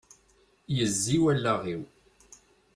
Yezzi wallaɣ-iw.